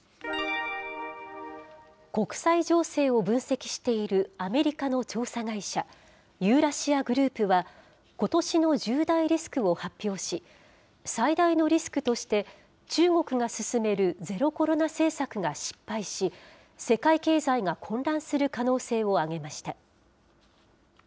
国際情勢を分析しているアメリカの調査会社、ユーラシア・グループは、ことしの１０大リスクを発表し、最大のリスクとして、中国が進めるゼロコロナ政策が失敗し、世界経済が混乱する可能性を挙げました。